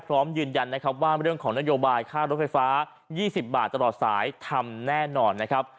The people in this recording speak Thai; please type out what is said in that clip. พร้อมยืนยันนะครับว่าเรื่องของนโยบายค่ารถไฟฟ้า๒๐บาทตลอดสายทำแน่นอนนะครับ